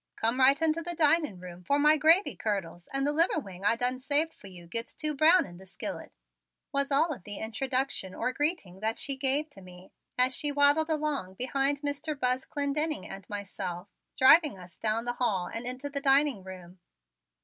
Come right into the dining room 'fore my gravy curdles and the liver wing I done saved for you gits too brown in the skillet," was all of the introduction or greeting that she gave to me as she waddled along behind Mr. Buzz Clendenning and myself, driving us down the hall and into the dining room.